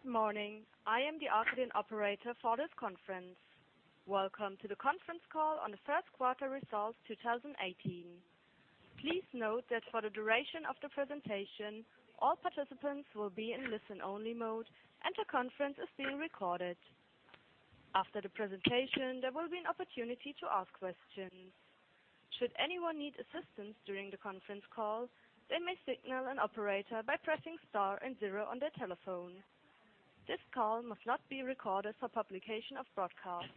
Good morning. I am the operator for this conference. Welcome to the conference call on the first quarter results 2018. Please note that for the duration of the presentation, all participants will be in listen-only mode, and the conference is being recorded. After the presentation, there will be an opportunity to ask questions. Should anyone need assistance during the conference call, they may signal an operator by pressing star and zero on their telephone. This call must not be recorded for publication or broadcast.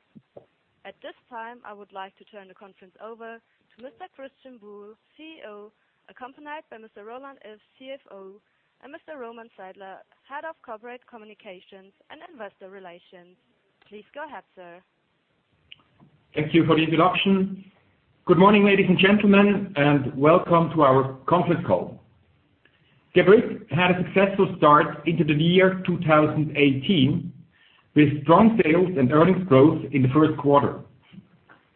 At this time, I would like to turn the conference over to Mr. Christian Buhl, CEO, accompanied by Mr. Roland Iff, CFO, and Mr. Roman Seiler, Head of Corporate Communications and Investor Relations. Please go ahead, sir. Thank you for the introduction. Good morning, ladies and gentlemen, and welcome to our conference call. Geberit had a successful start into the year 2018, with strong sales and earnings growth in the first quarter.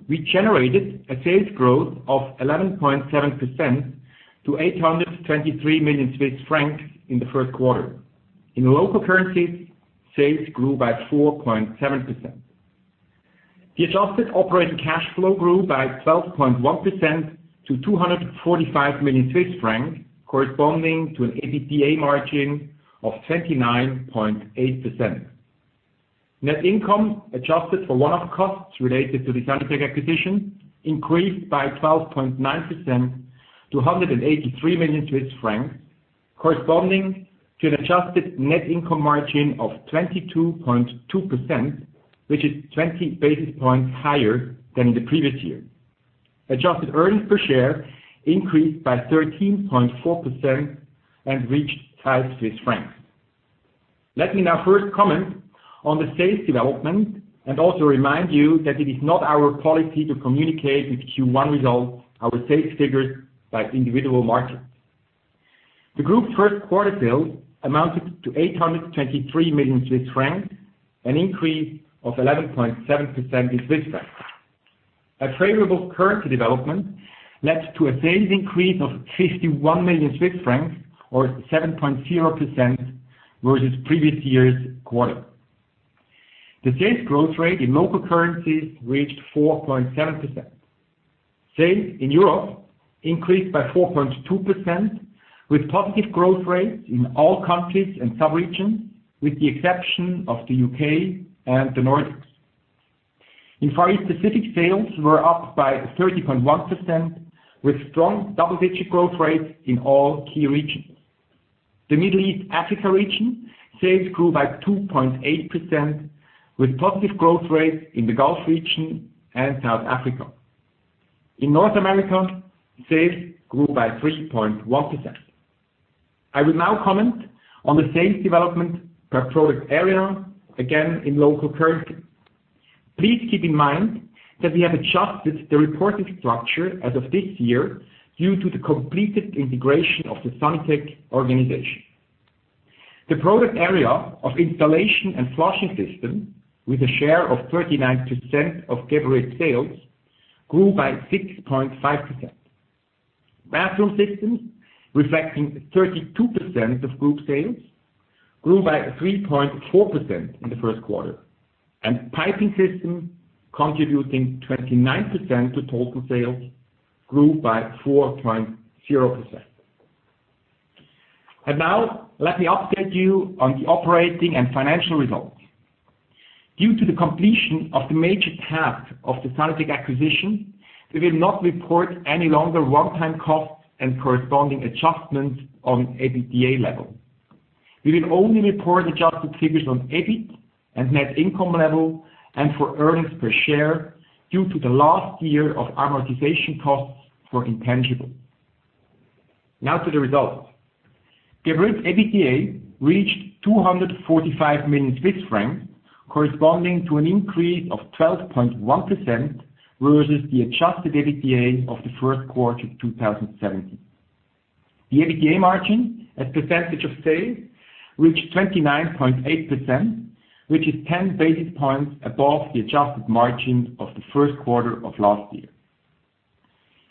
We generated a sales growth of 11.7% to 823 million Swiss francs in the first quarter. In local currency, sales grew by 4.7%. The adjusted operating cash flow grew by 12.1% to 245 million Swiss francs, corresponding to an EBTA margin of 29.8%. Net income, adjusted for one-off costs related to the Sanitec acquisition, increased by 12.9% to 183 million Swiss francs, corresponding to an adjusted net income margin of 22.2%, which is 20 basis points higher than in the previous year. Adjusted earnings per share increased by 13.4% and reached 5 Swiss francs. Let me now first comment on the sales development and also remind you that it is not our policy to communicate with Q1 results our sales figures by individual markets. The group's first quarter sales amounted to 823 million Swiss francs, an increase of 11.7% in Swiss francs. A favorable currency development led to a sales increase of 51 million Swiss francs, or 7.0% versus previous year's quarter. The sales growth rate in local currencies reached 4.7%. Sales in Europe increased by 4.2%, with positive growth rates in all countries and subregions, with the exception of the U.K. and the Nordics. In Far East, Pacific sales were up by 30.1%, with strong double-digit growth rates in all key regions. The Middle East/Africa region, sales grew by 2.8%, with positive growth rates in the Gulf region and South Africa. In North America, sales grew by 3.1%. I will now comment on the sales development per product area, again in local currency. Please keep in mind that we have adjusted the reporting structure as of this year due to the completed integration of the Sanitec organization. The product area of Installation and Flushing Systems, with a share of 39% of Geberit sales, grew by 6.5%. Bathroom Systems, reflecting 32% of group sales, grew by 3.4% in the first quarter, and Piping Systems, contributing 29% to total sales, grew by 4.0%. Now let me update you on the operating and financial results. Due to the completion of the major path of the Sanitec acquisition, we will not report any longer one-time costs and corresponding adjustments on EBTA level. We will only report adjusted figures on EBIT and net income level and for earnings per share due to the last year of amortization costs for intangibles. Now to the results. Geberit EBTA reached 245 million Swiss francs, corresponding to an increase of 12.1% versus the adjusted EBTA of Q1 2017. The EBTA margin as a percentage of sales reached 29.8%, which is 10 basis points above the adjusted margin of Q1 of last year.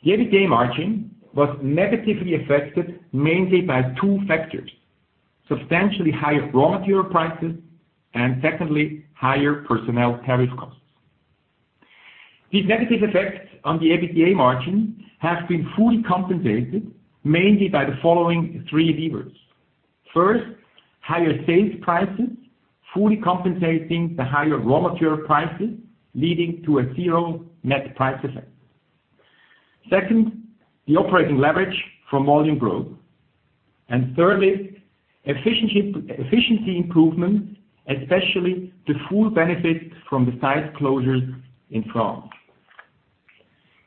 The EBTA margin was negatively affected mainly by two factors: substantially higher raw material prices, and secondly, higher personnel tariff costs. These negative effects on the EBTA margin have been fully compensated, mainly by the following three levers. First, higher sales prices, fully compensating the higher raw material prices, leading to a zero net price effect. Second, the operating leverage from volume growth. Thirdly, efficiency improvement, especially the full benefit from the site closures in France.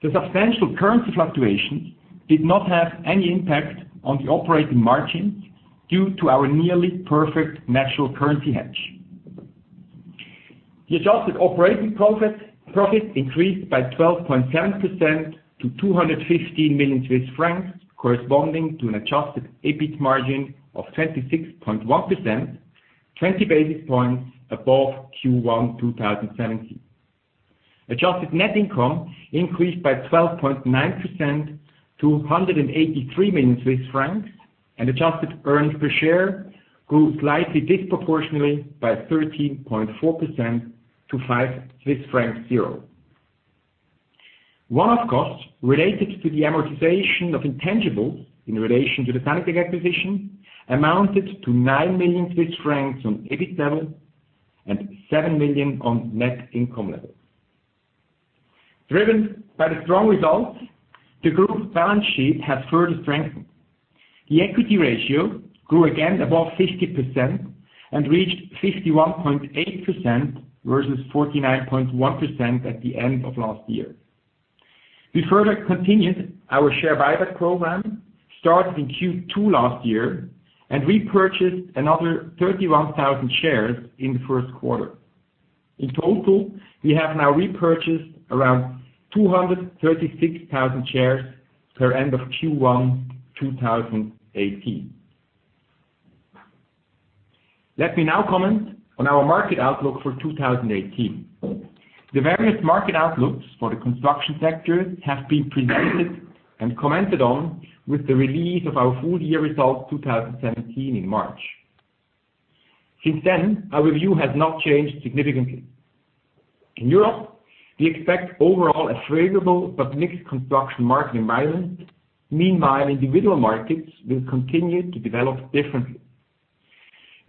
The substantial currency fluctuations did not have any impact on the operating margin due to our nearly perfect natural currency hedge. The adjusted operating profit increased by 12.7% to 215 million Swiss francs, corresponding to an adjusted EBIT margin of 26.1%, 20 basis points above Q1 2017. Adjusted net income increased by 12.9% to 183 million Swiss francs, and adjusted earnings per share grew slightly disproportionately by 13.4% to 5.00 Swiss franc. One-off costs related to the amortization of intangibles in relation to the Sanitec acquisition amounted to 9 million Swiss francs on EBIT level, and 7 million on net income level. Driven by the strong results, the group balance sheet has further strengthened. The equity ratio grew again above 50% and reached 51.8% versus 49.1% at the end of last year. We further continued our share buyback program, started in Q2 last year, and repurchased another 31,000 shares in the first quarter. In total, we have now repurchased around 236,000 shares per end of Q1 2018. Let me now comment on our market outlook for 2018. The various market outlooks for the construction sector have been presented and commented on with the release of our full year results 2017 in March. Since then, our review has not changed significantly. In Europe, we expect overall a favorable but mixed construction market environment. Meanwhile, individual markets will continue to develop differently.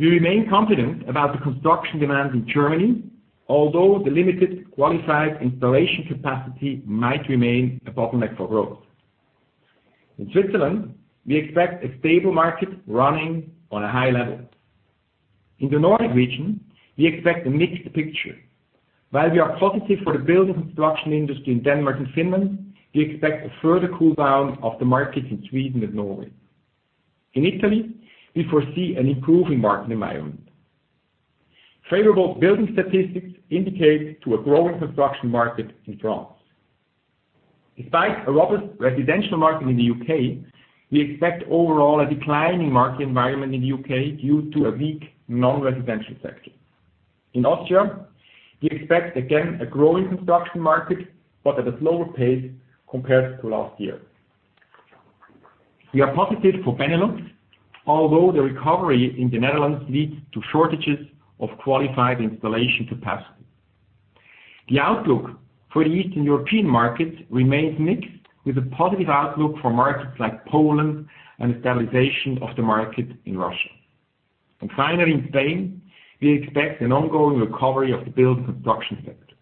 We remain confident about the construction demand in Germany, although the limited qualified installation capacity might remain a bottleneck for growth. In Switzerland, we expect a stable market running on a high level. In the Nordic region, we expect a mixed picture. While we are positive for the building construction industry in Denmark and Finland, we expect a further cool-down of the market in Sweden and Norway. In Italy, we foresee an improving market environment. Favorable building statistics indicate to a growing construction market in France. Despite a robust residential market in the U.K., we expect overall a declining market environment in the U.K. due to a weak non-residential sector. In Austria, we expect again a growing construction market, but at a slower pace compared to last year. We are positive for Benelux, although the recovery in the Netherlands leads to shortages of qualified installation capacity. The outlook for the Eastern European markets remains mixed, with a positive outlook for markets like Poland and stabilization of the market in Russia. Finally, in Spain, we expect an ongoing recovery of the building construction sector.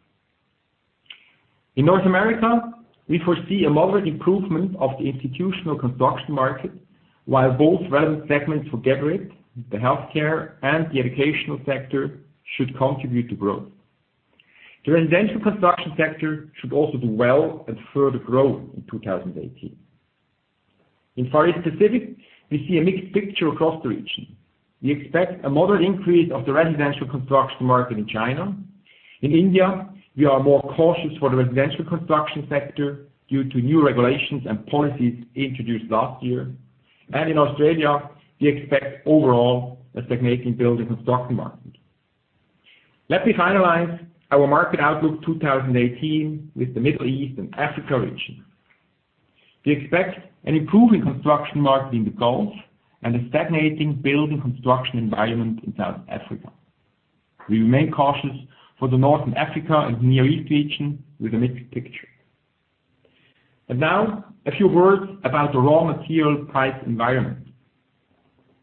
In North America, we foresee a moderate improvement of the institutional construction market, while both relevant segments for Geberit, the healthcare and the educational sector, should contribute to growth. The residential construction sector should also do well and further grow in 2018. In Far East Pacific, we see a mixed picture across the region. We expect a moderate increase of the residential construction market in China. In India, we are more cautious for the residential construction sector due to new regulations and policies introduced last year. In Australia, we expect overall a stagnating building construction market. Let me finalize our market outlook 2018 with the Middle East and Africa region. We expect an improving construction market in the Gulf and a stagnating building construction environment in South Africa. We remain cautious for the Northern Africa and Near East region with a mixed picture. Now a few words about the raw material price environment.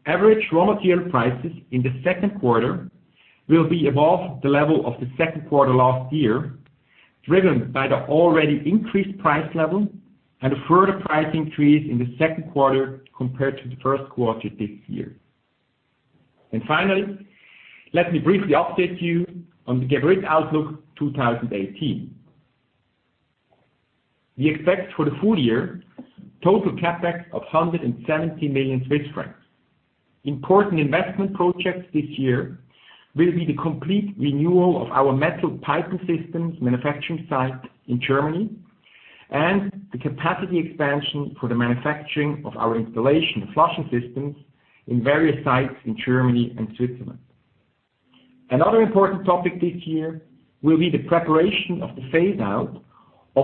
Average raw material prices in the second quarter will be above the level of the second quarter last year, driven by the already increased price level and a further price increase in the second quarter compared to the first quarter this year. Finally, let me briefly update you on the Geberit outlook 2018. We expect for the full year total CapEx of 170 million Swiss francs. Important investment projects this year will be the complete renewal of our metal Piping Systems manufacturing site in Germany and the capacity expansion for the manufacturing of our Installation and Flushing Systems in various sites in Germany and Switzerland. Another important topic this year will be the preparation of the phase-out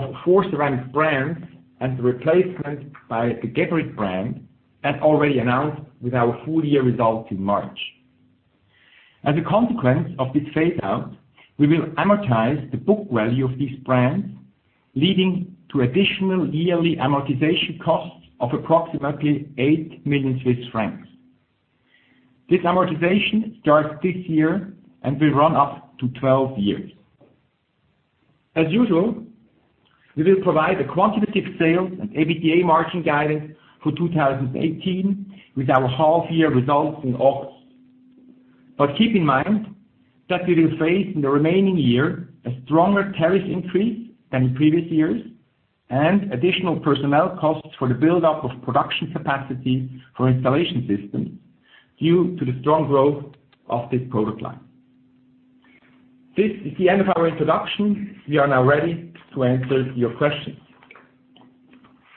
of four ceramic brands and the replacement by the Geberit brand, as already announced with our full-year results in March. As a consequence of this phase-out, we will amortize the book value of these brands, leading to additional yearly amortization costs of approximately 8 million Swiss francs. This amortization starts this year and will run up to 12 years. As usual, we will provide a quantitative sales and EBITDA margin guidance for 2018 with our half-year results in August. Keep in mind that we will face in the remaining year a stronger tariff increase than in previous years and additional personnel costs for the buildup of production capacity for Installation Systems due to the strong growth of this product line. This is the end of our introduction. We are now ready to answer your questions.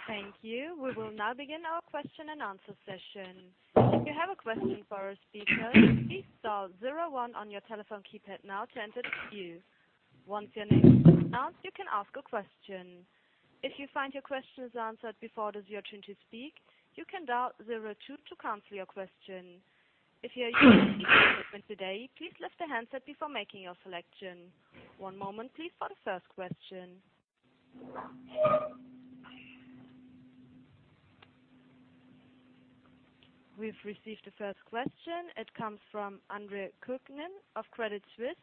Thank you. We will now begin our question and answer session. If you have a question for our speaker, please dial zero one on your telephone keypad now to enter the queue. Once your name is announced, you can ask a question. If you find your question is answered before it is your turn to speak, you can dial zero two to cancel your question. If you are using equipment today, please lift the handset before making your selection. One moment please for the first question. We've received the first question. It comes from Andre Kukhnin of Credit Suisse.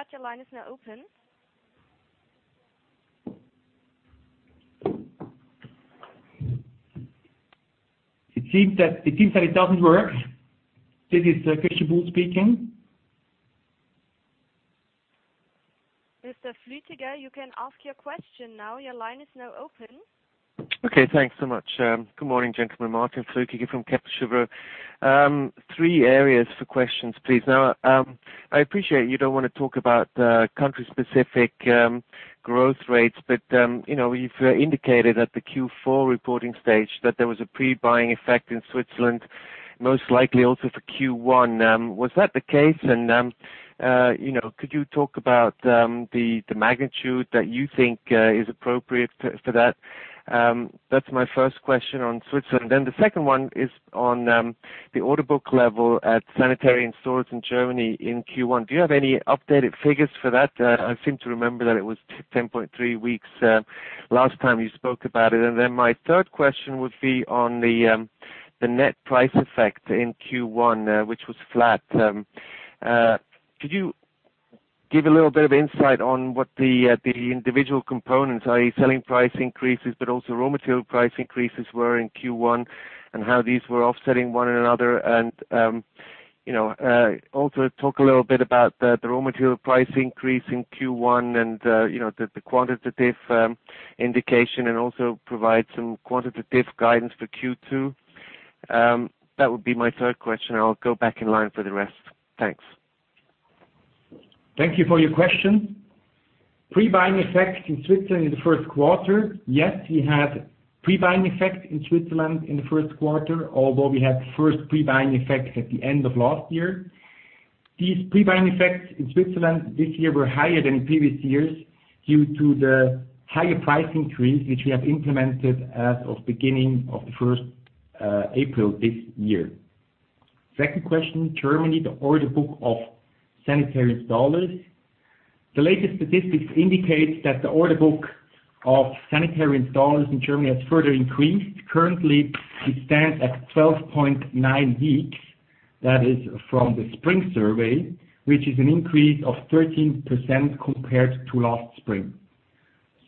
Go ahead, your line is now open. It seems that it doesn't work. This is Christian Buhl speaking. Mr. Flüttiger, you can ask your question now. Your line is now open. Okay. Thanks so much. Good morning, gentlemen. Martin Flüttiger from Baader Helvea. Three areas for questions, please. I appreciate you don't want to talk about country specific growth rates, but you've indicated at the Q4 reporting stage that there was a pre-buying effect in Switzerland, most likely also for Q1. Was that the case and could you talk about the magnitude that you think is appropriate for that? That's my first question on Switzerland. The second one is on the order book level at sanitary installs in Germany in Q1. Do you have any updated figures for that? I seem to remember that it was 10.3 weeks last time you spoke about it. My third question would be on the net price effect in Q1, which was flat. Could you give a little bit of insight on what the individual components, i.e. selling price increases, but also raw material price increases were in Q1 and how these were offsetting one another? Also talk a little bit about the raw material price increase in Q1 and the quantitative indication, and also provide some quantitative guidance for Q2. That would be my third question. I'll go back in line for the rest. Thanks. Thank you for your question. Pre-buying effect in Switzerland in the first quarter. Yes, we had pre-buying effect in Switzerland in the first quarter, although we had the first pre-buying effects at the end of last year. These pre-buying effects in Switzerland this year were higher than in previous years due to the higher price increase, which we have implemented as of April 1 this year. The second question, Germany, the order book of sanitary installers. The latest statistics indicate that the order book of sanitary installers in Germany has further increased. Currently, it stands at 12.9 weeks. That is from the spring survey, which is an increase of 13% compared to last spring.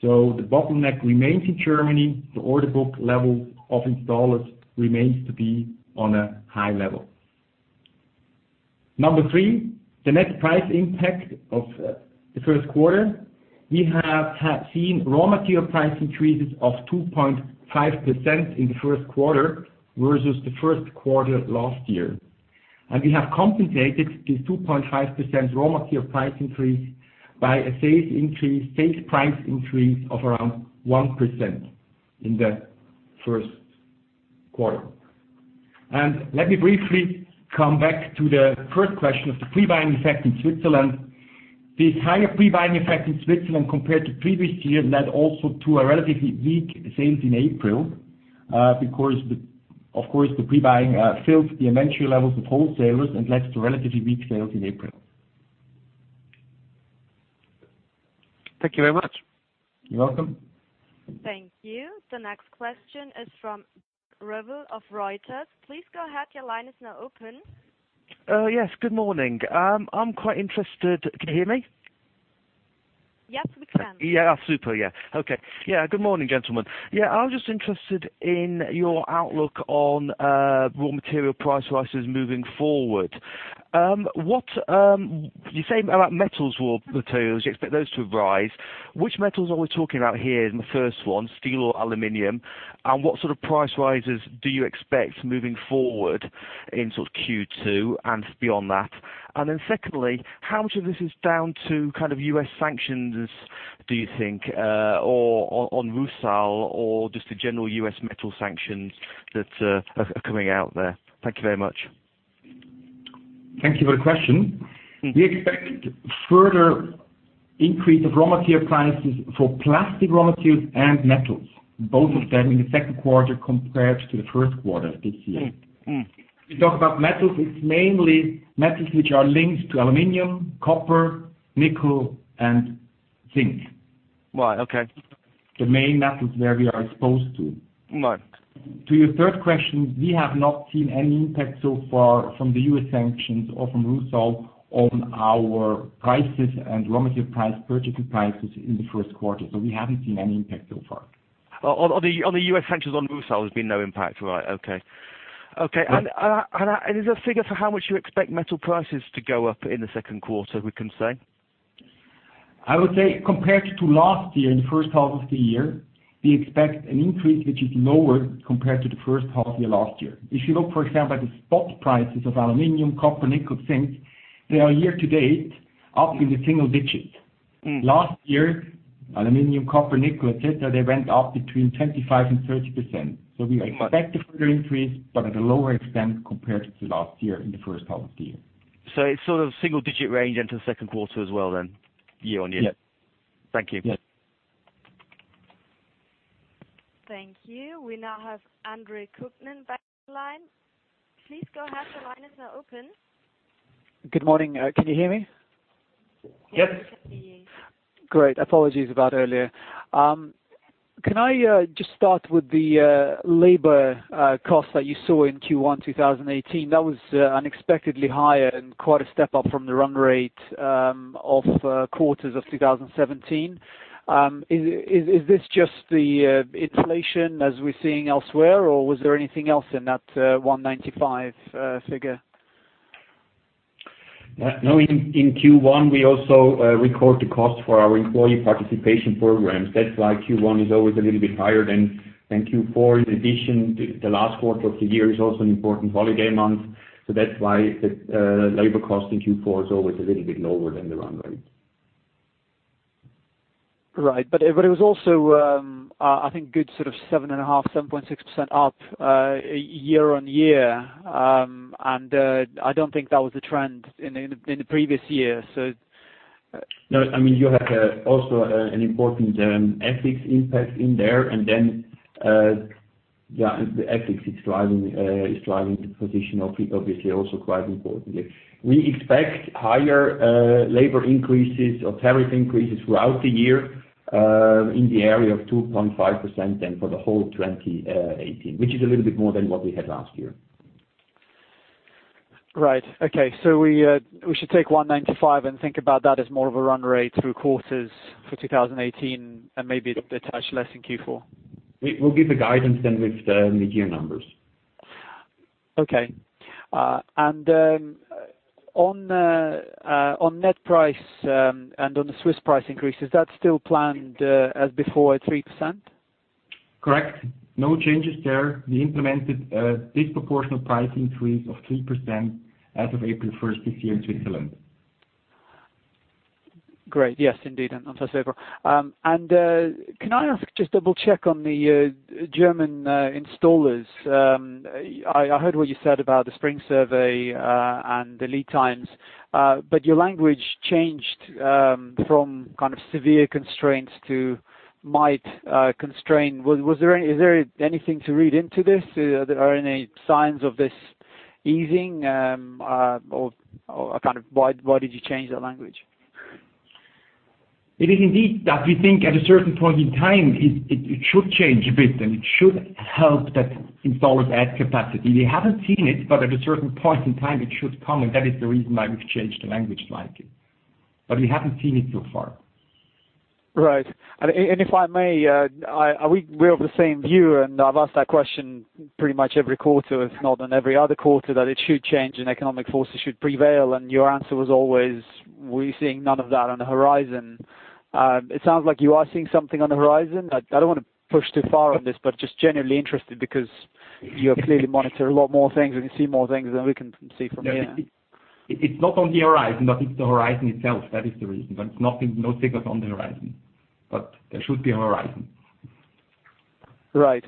The bottleneck remains in Germany. The order book level of installers remains to be on a high level. Number three, the net price effect of the first quarter. We have seen raw material price increases of 2.5% in the first quarter versus the first quarter last year. We have compensated this 2.5% raw material price increase by a sales price increase of around 1% in the first quarter. Let me briefly come back to the first question of the pre-buying effect in Switzerland. This higher pre-buying effect in Switzerland compared to previous years led also to a relatively weak sales in April. Of course, the pre-buying fills the inventory levels of wholesalers and led to relatively weak sales in April. Thank you very much. You're welcome. Thank you. The next question is from Revill of Reuters. Please go ahead. Your line is now open. Yes, good morning. I'm quite interested. Can you hear me? Yes, we can. Yeah. Super. Yeah, okay. Yeah, good morning, gentlemen. Yeah, I'm just interested in your outlook on raw material price rises moving forward. You say about metals raw materials, you expect those to rise. Which metals are we talking about here in the first one, steel or aluminum? What sort of price rises do you expect moving forward in Q2 and beyond that? Secondly, how much of this is down to U.S. sanctions, do you think, on Rusal or just the general U.S. metal sanctions that are coming out there? Thank you very much. Thank you for the question. We expect further increase of raw material prices for plastic raw materials and metals, both of them in the second quarter compared to the first quarter this year. If we talk about metals, it's mainly metals which are linked to aluminum, copper, nickel, and zinc. Right. Okay. The main metals where we are exposed to. Right. To your third question, we have not seen any impact so far from the U.S. sanctions or from Rusal on our prices and raw material price, purchase prices in the first quarter. We haven't seen any impact so far. On the U.S. sanctions on Russia there's been no impact, right. Okay. Is there a figure for how much you expect metal prices to go up in the second quarter, we can say? I would say compared to last year, in the first half of the year, we expect an increase which is lower compared to the first half year last year. If you look, for example, at the spot prices of aluminum, copper, nickel, zinc, they are year-to-date, up in the single digits. Last year, aluminum, copper, nickel, et cetera, they went up between 25% and 30%. We expect a further increase, but at a lower extent compared to last year in the first half of the year. It's sort of single digit range into the second quarter as well then, year-on-year? Yes. Thank you. Yes. Thank you. We now have Andre Kukhnin line. Please go ahead. The line is now open. Good morning. Can you hear me? Yes. Yes, we can hear you. Great. Apologies about earlier. Can I just start with the labor costs that you saw in Q1 2018, that was unexpectedly higher and quite a step up from the run rate of quarters of 2017. Is this just the inflation as we're seeing elsewhere, or was there anything else in that 195 figure? In Q1 we also record the cost for our employee participation programs. That's why Q1 is always a little bit higher than Q4. In addition, the last quarter of the year is also an important holiday month. That's why the labor cost in Q4 is always a little bit lower than the run rate. Right. It was also, I think good sort of 7.5, 7.6% up year-on-year. I don't think that was the trend in the previous year. You have also an important FX impact in there. The FX is driving the position obviously also quite importantly. We expect higher labor increases or tariff increases throughout the year, in the area of 2.5% than for the whole of 2018, which is a little bit more than what we had last year. Okay. We should take 195 and think about that as more of a run rate through quarters for 2018 and maybe attach less in Q4. We'll give the guidance with the mid-year numbers. Okay. On net price, on the Swiss price increase, is that still planned as before at 3%? Correct. No changes there. We implemented a disproportional price increase of 3% as of April 1st this year in Switzerland. Great. Yes, indeed, on 1st April. Can I ask, just double check on the German installers. I heard what you said about the spring survey, and the lead times. Your language changed from kind of severe constraints to might constrain. Is there anything to read into this? Are there any signs of this easing? Why did you change that language? It is indeed that we think at a certain point in time it should change a bit and it should help that installers add capacity. We haven't seen it, but at a certain point in time, it should come, and that is the reason why we've changed the language slightly. We haven't seen it so far. Right. If I may, we're of the same view, and I've asked that question pretty much every quarter, if not in every other quarter, that it should change and economic forces should prevail. Your answer was always, we're seeing none of that on the horizon. It sounds like you are seeing something on the horizon. I don't want to push too far on this, but just generally interested because you clearly monitor a lot more things and you see more things than we can see from here. It's not on the horizon, but it's the horizon itself. That is the reason. No figures on the horizon. There should be a horizon. Right.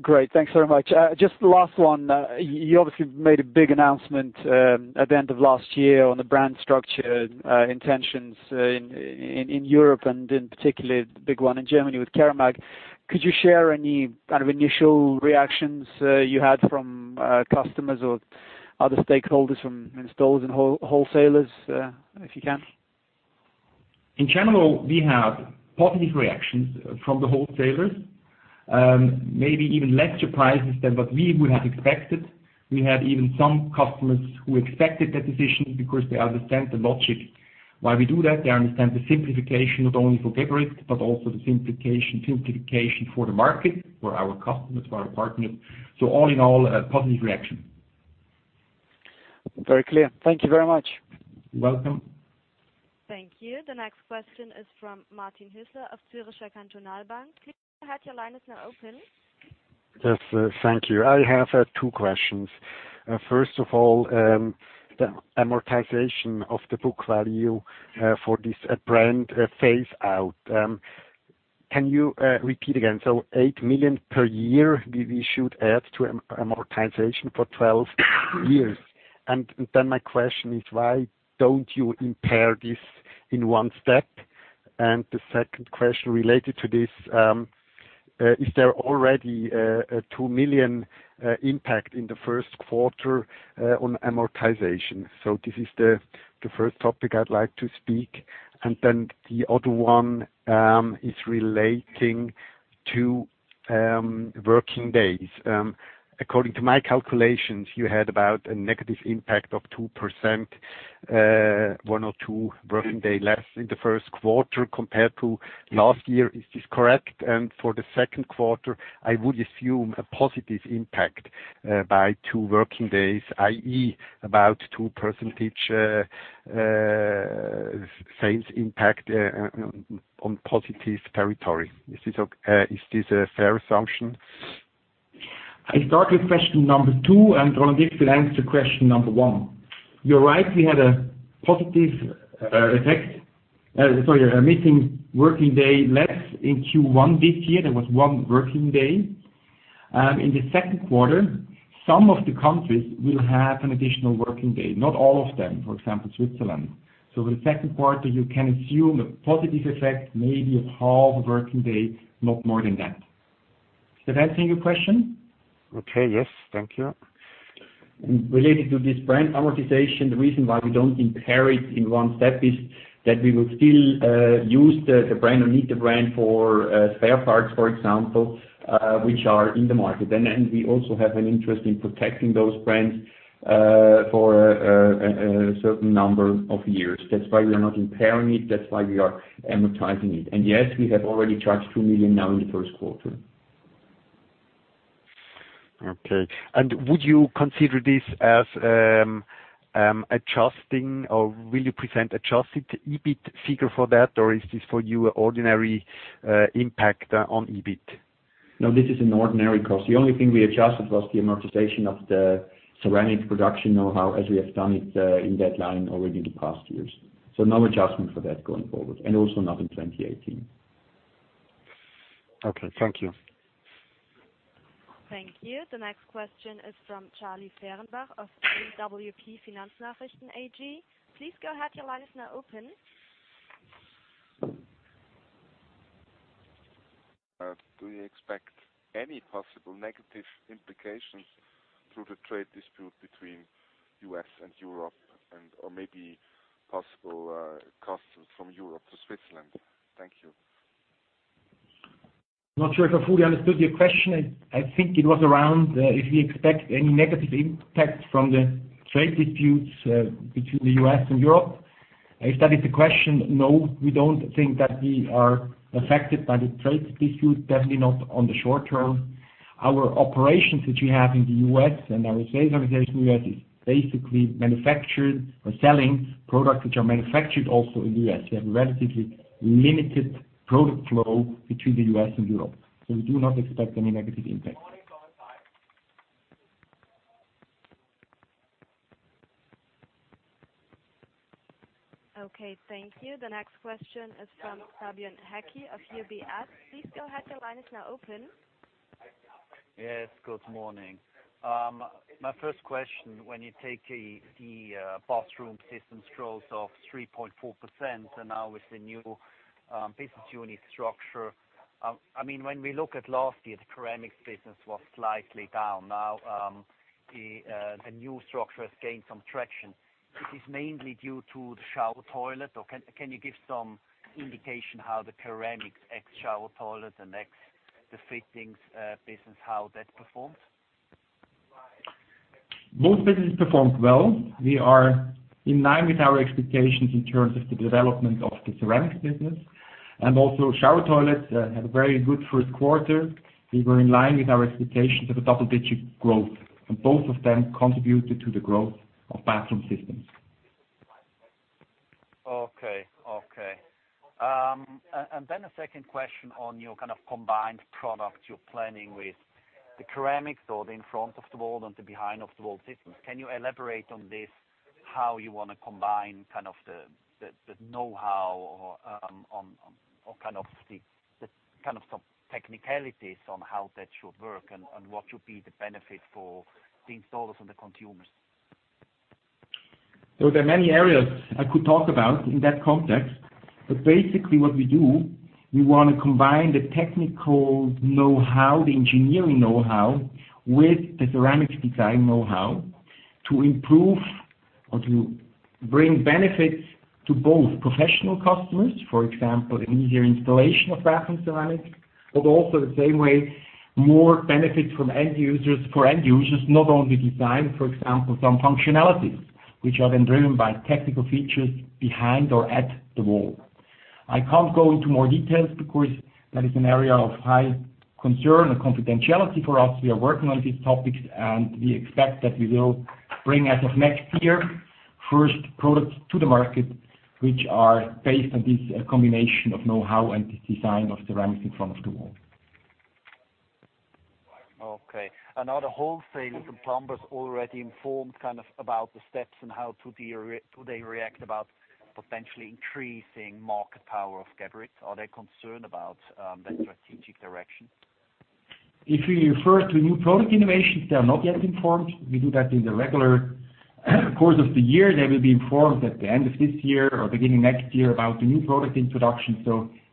Great. Thanks very much. Just the last one. You obviously made a big announcement at the end of last year on the brand structure intentions in Europe and in particular, the big one in Germany with Keramag. Could you share any kind of initial reactions you had from customers or other stakeholders from installers and wholesalers, if you can? In general, we have positive reactions from the wholesalers. Maybe even less surprises than what we would have expected. We had even some customers who expected that decision because they understand the logic why we do that. They understand the simplification not only for Geberit, but also the simplification for the market, for our customers, for our partners. All in all, a positive reaction. Very clear. Thank you very much. Welcome. Thank you. The next question is from Martin Hüsler of Zürcher Kantonalbank. Please go ahead. Your line is now open. Yes. Thank you. I have two questions. First of all, the amortization of the book value for this brand phase out. Can you repeat again? 8 million per year we should add to amortization for 12 years. My question is, why do not you impair this in one step? The second question related to this, is there already a 2 million impact in the first quarter on amortization? This is the first topic I would like to speak. The other one is relating two working days. According to my calculations, you had about a negative impact of 2%, one or two working days less in the first quarter compared to last year. Is this correct? For the second quarter, I would assume a positive impact by two working days, i.e., about 2% sales impact on positive territory. Is this a fair assumption? I start with question number 2, going to give the answer to question number 1. You are right, we had a missing working day less in Q1 this year. There was one working day. In the second quarter, some of the countries will have an additional working day. Not all of them, for example, Switzerland. The second quarter, you can assume a positive effect maybe of half a working day, not more than that. Does that answer your question? Okay. Yes. Thank you. Related to this brand amortization, the reason why we do not impair it in one step is that we will still use the brand or need the brand for spare parts, for example, which are in the market. We also have an interest in protecting those brands for a certain number of years. That is why we are not impairing it, that is why we are amortizing it. Yes, we have already charged 2 million now in the first quarter. Okay. Would you consider this as adjusting, or will you present adjusted EBIT figure for that, or is this for you ordinary impact on EBIT? No, this is an ordinary cost. The only thing we adjusted was the amortization of the ceramic production know-how, as we have done it in that line already in the past years. No adjustment for that going forward. Also not in 2018. Okay. Thank you. Thank you. The next question is from Charlie Fehrenbach of awp Finanznachrichten AG. Please go ahead, your line is now open. Do you expect any possible negative implications through the trade dispute between U.S. and Europe and, or maybe possible customs from Europe to Switzerland? Thank you. Not sure if I fully understood your question. I think it was around if we expect any negative impact from the trade disputes between the U.S. and Europe. If that is the question, no, we don't think that we are affected by the trade disputes, definitely not on the short term. Our operations which we have in the U.S. and our sales organization in U.S. is basically manufactured or selling products which are manufactured also in the U.S. We have a relatively limited product flow between the U.S. and Europe, we do not expect any negative impact. Okay. Thank you. The next question is from Fabian Hecky of UBS. Please go ahead, your line is now open. Yes. Good morning. My first question, when you take the Bathroom Systems growth of 3.4% and now with the new business unit structure, when we look at last year, the ceramics business was slightly down. Now, the new structure has gained some traction, which is mainly due to the shower toilet, or can you give some indication how the ceramics ex shower toilet and ex the fittings business, how that performs? Both business performed well. We are in line with our expectations in terms of the development of the ceramics business, and also shower toilets had a very good first quarter. We were in line with our expectations of a double-digit growth, and both of them contributed to the growth of Bathroom Systems. A second question on your kind of combined product you're planning with the ceramics or the in front of the wall and the behind of the wall systems. Can you elaborate on this, how you want to combine the know-how or some technicalities on how that should work and what should be the benefit for the installers and the consumers? There are many areas I could talk about in that context, basically what we do, we want to combine the technical know-how, the engineering know-how, with the ceramics design know-how to improve or to bring benefits to both professional customers, for example, an easier installation of bathroom ceramics, but also the same way, more benefits for end users, not only design, for example, some functionalities which are then driven by technical features behind or at the wall. I can't go into more details because that is an area of high concern and confidentiality for us. We are working on these topics, and we expect that we will bring, as of next year, first products to the market, which are based on this combination of know-how and the design of ceramics in front of the wall. Okay. Are the wholesalers and plumbers already informed about the steps and how do they react about potentially increasing market power of Geberit? Are they concerned about that strategic direction? If you refer to new product innovations, they are not yet informed. We do that in the regular course of the year. They will be informed at the end of this year or beginning next year about the new product introduction.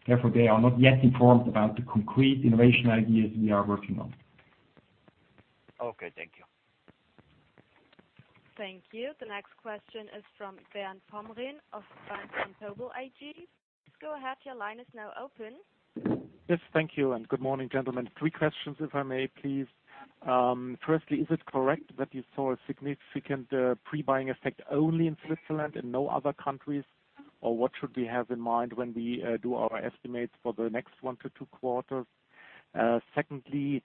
Therefore, they are not yet informed about the concrete innovation ideas we are working on. Okay. Thank you. Thank you. The next question is from Bernd Pomrehn of Bank Vontobel AG. Please go ahead, your line is now open. Yes. Thank you, and good morning, gentlemen. Three questions if I may, please. Firstly, is it correct that you saw a significant pre-buying effect only in Switzerland and no other countries? Or what should we have in mind when we do our estimates for the next one to two quarters? Secondly,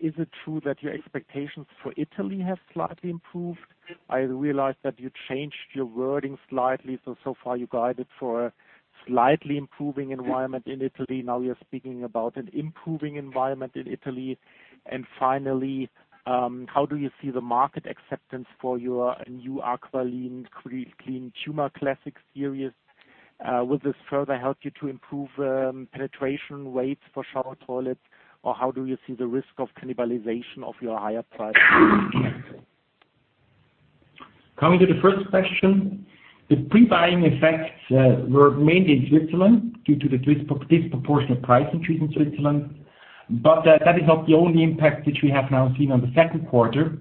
is it true that your expectations for Italy have slightly improved? I realized that you changed your wording slightly, so far you guided for a slightly improving environment in Italy. Now you're speaking about an improving environment in Italy. Finally, how do you see the market acceptance for your new AquaClean Tuma Classic series? Will this further help you to improve penetration rates for shower toilets, or how do you see the risk of cannibalization of your higher price points? Coming to the first question, the pre-buying effects were mainly in Switzerland due to the disproportionate price increase in Switzerland. That is not the only impact which we have now seen on the second quarter.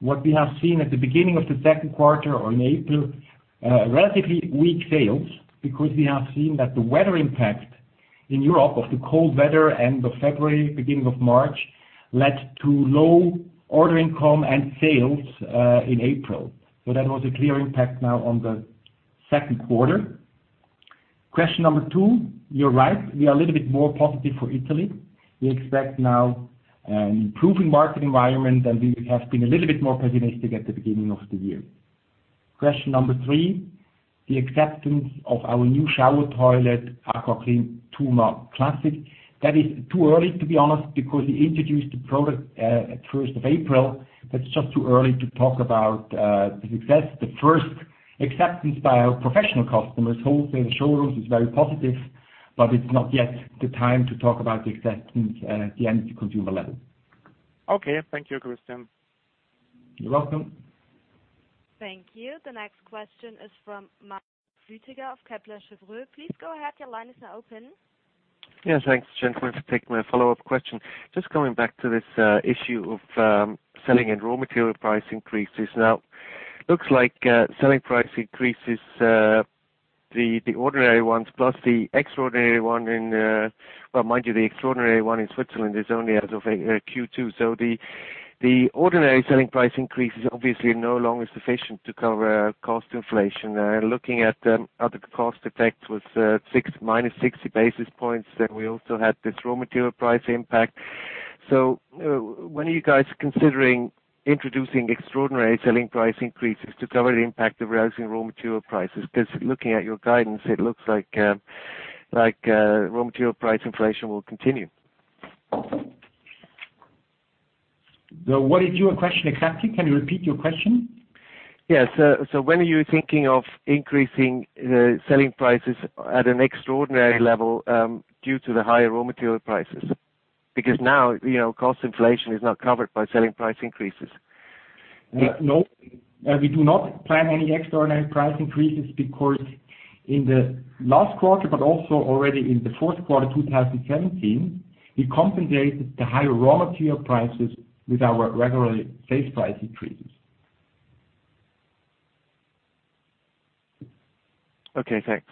What we have seen at the beginning of the second quarter or in April, relatively weak sales, because we have seen that the weather impact in Europe, of the cold weather end of February, beginning of March, led to low order income and sales in April. That was a clear impact now on the second quarter. Question number two, you're right. We are a little bit more positive for Italy. We expect now an improving market environment than we have been a little bit more pessimistic at the beginning of the year. Question number three, the acceptance of our new shower toilet, AquaClean Tuma Classic. That is too early, to be honest, because we introduced the product at the first of April. That's just too early to talk about the success. The first acceptance by our professional customers, wholesale showrooms, is very positive, but it's not yet the time to talk about the acceptance at the end consumer level. Okay. Thank you, Christian. You're welcome. Thank you. The next question is from Martin Flüttiger of Kepler Cheuvreux. Please go ahead, your line is now open. Thanks, gentlemen, for taking my follow-up question. Just coming back to this issue of selling and raw material price increases. Now, looks like selling price increases, the ordinary ones plus the extraordinary one. Well, mind you, the extraordinary one in Switzerland is only as of Q2. The ordinary selling price increase is obviously no longer sufficient to cover cost inflation. Looking at other cost effects was minus 60 basis points, then we also had this raw material price impact. When are you guys considering introducing extraordinary selling price increases to cover the impact of rising raw material prices? Because looking at your guidance, it looks like raw material price inflation will continue. What is your question exactly? Can you repeat your question? When are you thinking of increasing selling prices at an extraordinary level, due to the high raw material prices? Because now, cost inflation is not covered by selling price increases. No. We do not plan any extraordinary price increases because in the last quarter, but also already in the fourth quarter 2017, we compensated the higher raw material prices with our regular sales price increases. Okay, thanks.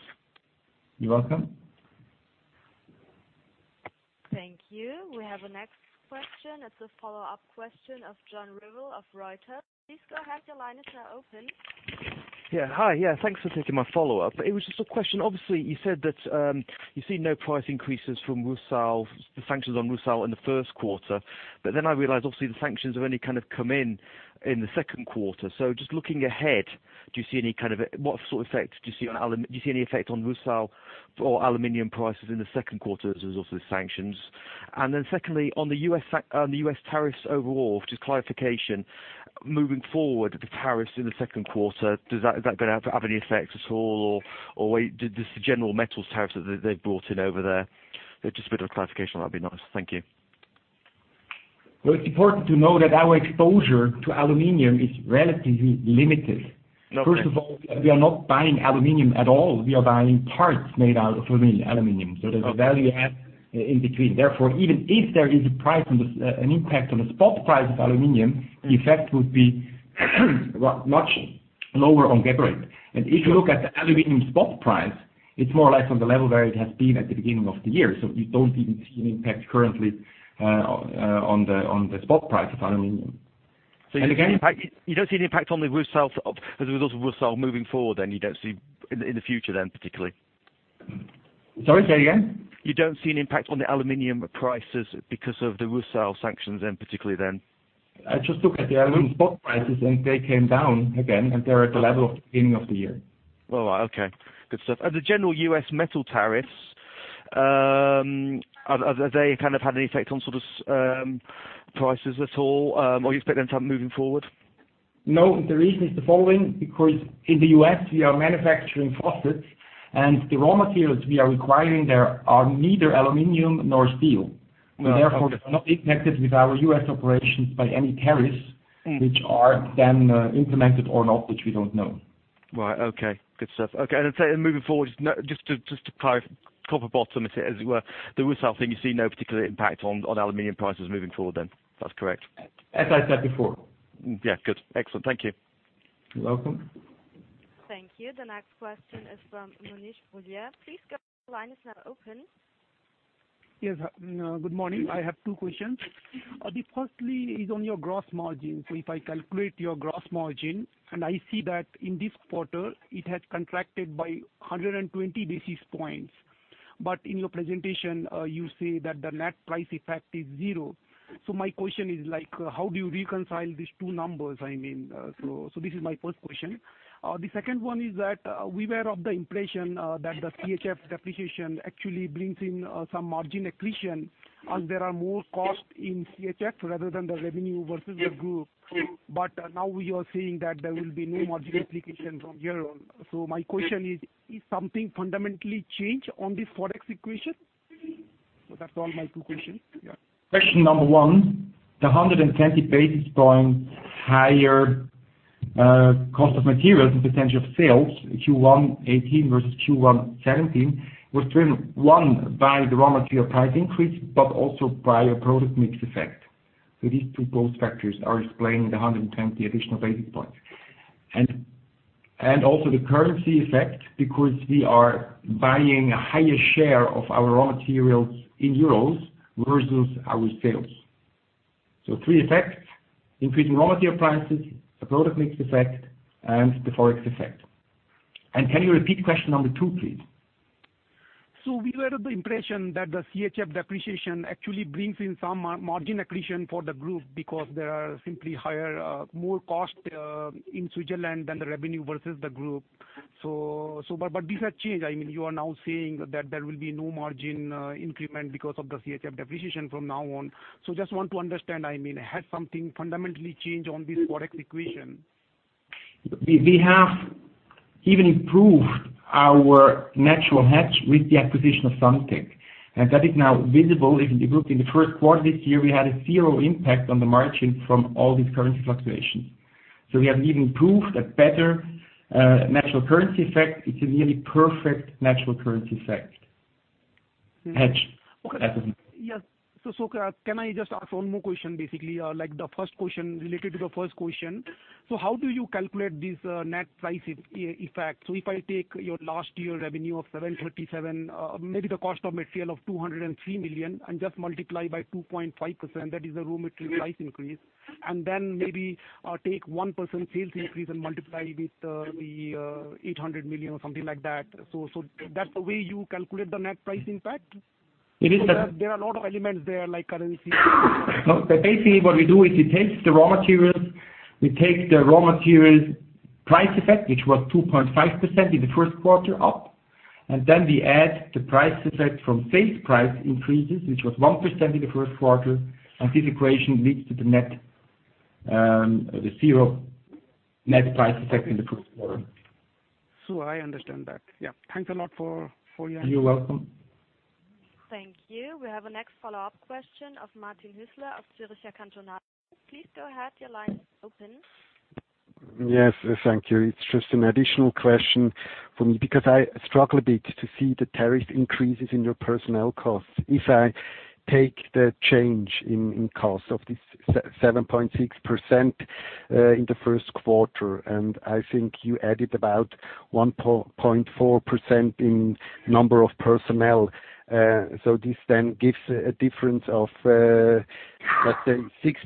You're welcome. Thank you. We have the next question. It's a follow-up question of John Revill of Reuters. Please go ahead, your line is now open. Yeah. Hi. Thanks for taking my follow-up. It was just a question. Obviously, you said that you see no price increases from Rusal, the sanctions on Rusal in the first quarter. I realized, obviously, the sanctions have only come in in the second quarter. Looking ahead, what sort of effect do you see? Do you see any effect on Rusal or aluminum prices in the second quarter as a result of the sanctions? Secondly, on the U.S. tariffs overall, just clarification, moving forward, the tariffs in the second quarter, is that going to have any effect at all, or just the general metals tariffs that they've brought in over there? Just a bit of clarification on that'd be nice. Thank you. It's important to know that our exposure to aluminum is relatively limited. Okay. First of all, we are not buying aluminum at all. We are buying parts made out of aluminum. Okay. There's a value add in between. Therefore, even if there is an impact on the spot price of aluminum, the effect would be much lower on Geberit. If you look at the aluminum spot price, it's more or less on the level where it has been at the beginning of the year. We don't even see an impact currently on the spot price of aluminum. You don't see any impact as a result of Rusal moving forward then? You don't see in the future then, particularly? Sorry, say again? You don't see an impact on the aluminum prices because of the Rusal sanctions particularly then? I just look at the aluminum spot prices, and they came down again, and they're at the level of the beginning of the year. Okay. Good stuff. The general U.S. metal tariffs, have they had any effect on prices at all? Or you expect them to have moving forward? No, the reason is the following. In the U.S., we are manufacturing faucets, and the raw materials we are requiring there are neither aluminum nor steel. Okay. Therefore, they're not impacted with our U.S. operations by any tariffs, which are then implemented or not, which we don't know. Right. Okay, good stuff. Moving forward, just to copper bottom it as it were, the Rusal thing, you see no particular impact on aluminum prices moving forward then. That's correct? As I said before. Yeah. Good. Excellent. Thank you. You're welcome. Thank you. The next question is from Manish Poddar. Please go ahead, your line is now open. Good morning. I have two questions. First is on your gross margin. If I calculate your gross margin, I see that in this quarter it has contracted by 120 basis points. In your presentation, you say that the net price effect is zero. My question is, how do you reconcile these two numbers? This is my first question. The second one is that we were of the impression that the CHF depreciation actually brings in some margin accretion as there are more costs in CHF rather than the revenue versus the group. Now you are saying that there will be no margin application from here on. My question is something fundamentally changed on this FX equation? That's all my two questions. Question number one, the 120 basis points higher cost of materials and potential sales, Q1 2018 versus Q1 2017, was driven, one, by the raw material price increase, also by a product mix effect. These two factors are explaining the 120 additional basis points. Also the currency effect because we are buying a higher share of our raw materials in EUR versus our sales. Three effects, increasing raw material prices, the product mix effect, and the FX effect. Can you repeat question number two, please? We were of the impression that the CHF depreciation actually brings in some margin accretion for the group because there are simply more costs in Switzerland than the revenue versus the group. These have changed. You are now saying that there will be no margin increment because of the CHF depreciation from now on. Just want to understand, has something fundamentally changed on this FX equation? We have even improved our natural hedge with the acquisition of Sanitec, and that is now visible in the group. In the first quarter this year, we had a zero impact on the margin from all these currency fluctuations. We have even proved a better natural currency effect. It's a nearly perfect natural currency effect hedge. Okay. Yes. Can I just ask one more question, basically, related to the first question. How do you calculate this net price effect? If I take your last year revenue of 737, maybe the cost of material of 203 million and just multiply by 2.5%, that is the raw material price increase. And then maybe take 1% sales increase and multiply with the 800 million or something like that. That's the way you calculate the net price impact? It is the. There are a lot of elements there, like currency. Basically, what we do is we take the raw materials price effect, which was 2.5% in the first quarter up, and then we add the price effect from sales price increases, which was 1% in the first quarter, and this equation leads to the zero net price effect in the first quarter. I understand that. Yeah. Thanks a lot for your answer. You're welcome. Thank you. We have a next follow-up question of Martin Hüsler of Zürcher Kantonalbank. Please go ahead. Your line is open. Yes. Thank you. It's just an additional question for me because I struggle a bit to see the tariff increases in your personnel costs. If I take the change in cost of this 7.6% in the first quarter, I think you added about 1.4% in number of personnel. This then gives a difference of, let's say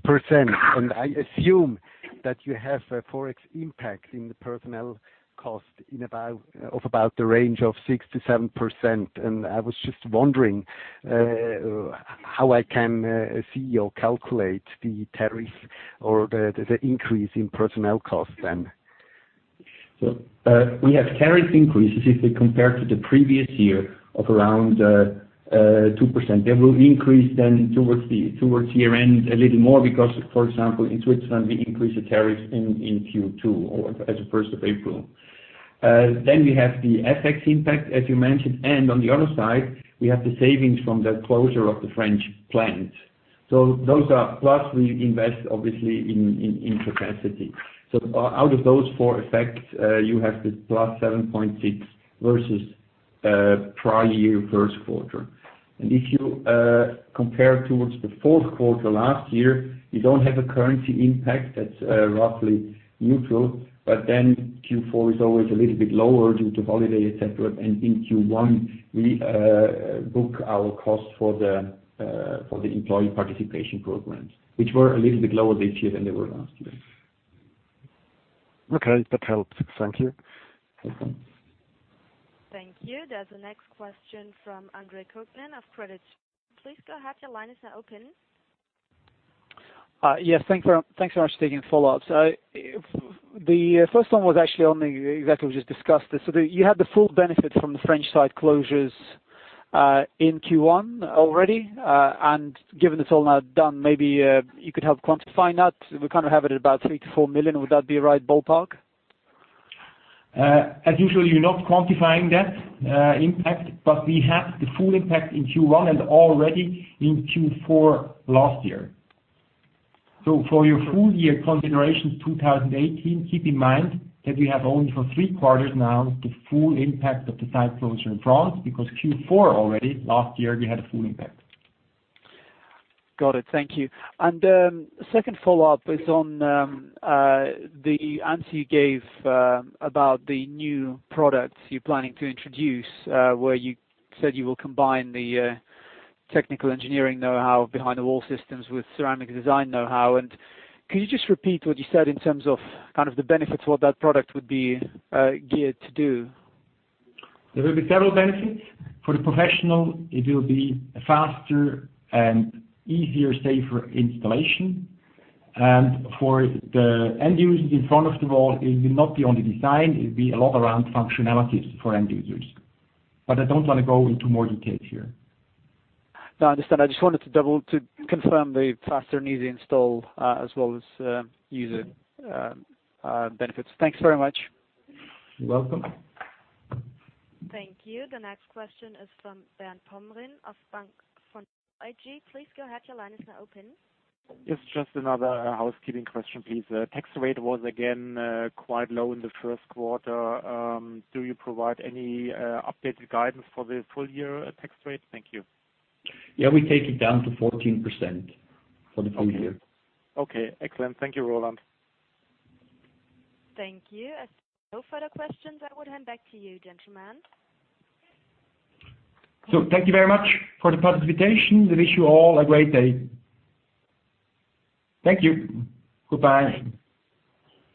6%. I assume that you have a FX impact in the personnel cost of about the range of 6%-7%. I was just wondering how I can see or calculate the tariff or the increase in personnel costs then. We have tariff increases if we compare to the previous year of around 2%. They will increase towards year-end a little more because, for example, in Switzerland, we increase the tariffs in Q2 or as of 1st of April. We have the FX impact, as you mentioned, and on the other side, we have the savings from the closure of the French plant. We invest obviously in capacity. Out of those four effects, you have the +7.6 versus prior year first quarter. If you compare towards the fourth quarter last year, you do not have a currency impact that is roughly neutral. Q4 is always a little bit lower due to holiday, et cetera. In Q1, we book our cost for the employee participation programs, which were a little bit lower this year than they were last year. Okay. That helps. Thank you. Thank you. There is a next question from Andre Kukhnin of Credit Suisse. Please go ahead. Your line is now open. Yes, thanks very much for taking the follow-ups. The first one was actually on exactly what you just discussed. You had the full benefit from the French site closures in Q1 already. Given it is all now done, maybe you could help quantify that. We kind of have it at about 3 million-4 million. Would that be a right ballpark? As usual, you're not quantifying that impact, but we have the full impact in Q1 and already in Q4 last year. For your full year considerations 2018, keep in mind that we have only for three quarters now the full impact of the site closure in France, because Q4 already last year we had a full impact. Got it. Thank you. Second follow-up is on the answer you gave about the new products you're planning to introduce, where you said you will combine the technical engineering know-how behind the wall systems with ceramic design know-how. Could you just repeat what you said in terms of the benefits, what that product would be geared to do? There will be several benefits. For the professional, it will be a faster and easier, safer installation. For the end user in front of the wall, it will not be only design, it will be a lot around functionalities for end users. I don't want to go into more detail here. No, I understand. I just wanted to confirm the faster and easy install, as well as user benefits. Thanks very much. You're welcome. Thank you. The next question is from Bernd Pomrehn of Bank Vontobel AG. Please go ahead. Your line is now open. It's just another housekeeping question, please. Tax rate was again, quite low in the first quarter. Do you provide any updated guidance for the full year tax rate? Thank you. Yeah, we take it down to 14% for the full year. Okay, excellent. Thank you, Roland. Thank you. As there are no further questions, I would hand back to you, gentlemen. Thank you very much for the participation and wish you all a great day. Thank you. Goodbye.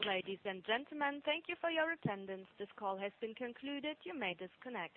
Ladies and gentlemen, thank you for your attendance. This call has been concluded. You may disconnect.